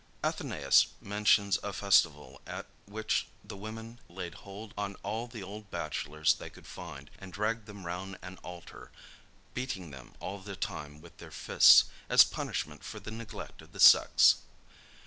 Athenæus mentions a festival, at which the women laid hold on all the old bachelors they could find, and dragged them round an altar; beating them all the time with their fists, as punishment for their neglect of the sex.